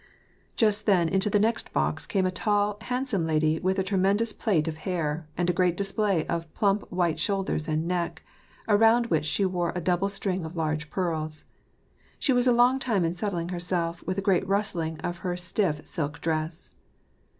340 ^^AR AND PEACE. Just then into the next box came a tall, handsome lady with a tremendous plait of hair, and a great display of plump white shoulders and neck, around which she wore a double string of large pearls. She was a long time in settling herself, with a great rustling of her stiff silk dress.